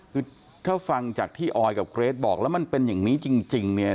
คือถ้าฟังจากที่ออยกับเกรทบอกแล้วมันเป็นอย่างนี้จริงเนี่ย